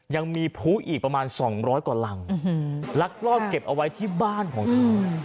ยังมีผู้อีกประมาณ๒๐๐กว่ารังลักลอบเก็บเอาไว้ที่บ้านของเขา